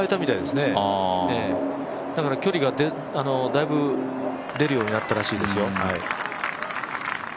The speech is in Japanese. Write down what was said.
だから、距離がだいぶ出るようになったらしいですよ。